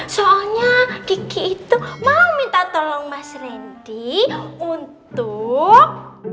soalnya gigi itu mau minta tolong mas reddy untuk